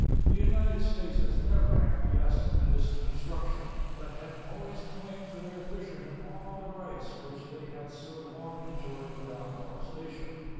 The United States have never acquiesced in this construction, but have always claimed for their fishermen all the rights which they had so long enjoyed without molestation.